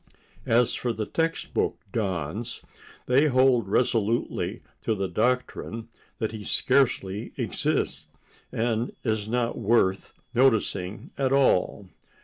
As for the text book dons, they hold resolutely to the doctrine that he scarcely exists, and is not worth noticing at all.